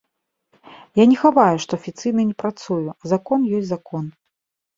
Я не хаваю, што афіцыйна не працую, а закон ёсць закон.